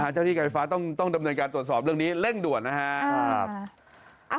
เจ้าที่ไก่ฟ้าต้องการตรวจสอบเรื่องนี้เร่งด่วนนะคะ